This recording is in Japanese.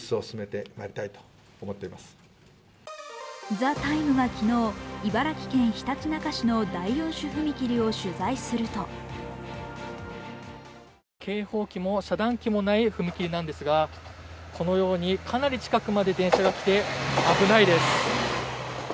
「ＴＨＥＴＩＭＥ，」は昨日茨城県ひたちなか市の第４種踏切を取材すると警報器も遮断機もない踏切なんですがこのようにかなり近くまで電車が来て危ないです。